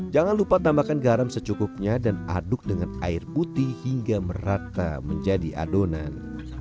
jangan lupa tambahkan garam secukupnya dan aduk dengan air putih hingga merata menjadi adonan